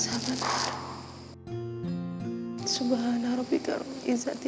ya allah tolong mengucapkan salam kepada saya